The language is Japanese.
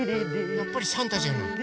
やっぱりサンタじゃない。